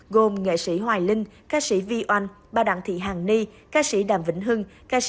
gồm nghệ sĩ hoài linh ca sĩ vy oanh bà đặng thị hàng ni ca sĩ đàm vĩnh hưng